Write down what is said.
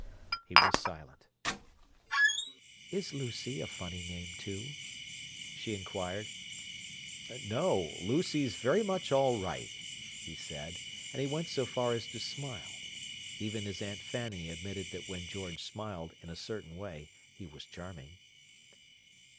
He was silent. "Is 'Lucy' a funny name, too?" she inquired. "No. Lucy's very much all right!" he said, and he went so far as to smile. Even his Aunt Fanny admitted that when George smiled "in a certain way" he was charming.